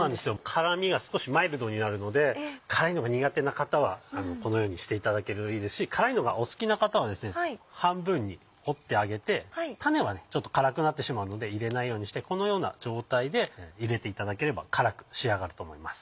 辛みが少しマイルドになるので辛いのが苦手な方はこのようにしていただけるといいですし辛いのがお好きな方は半分に折ってあげて種はちょっと辛くなってしまうので入れないようにしてこのような状態で入れていただければ辛く仕上がると思います。